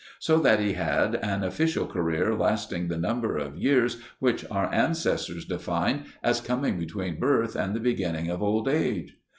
So that he had an official career lasting the number of years which our ancestors defined as coming between birth and the beginning of old age.